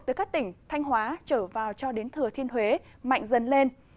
từ các tỉnh thanh hóa trở vào cho đến thừa thiên huế mạnh dần lên